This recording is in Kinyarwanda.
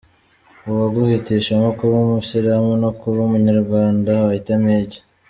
‘uwaguhitishamo kuba umusilamu no kuba umunyarwanda wahitamo iki?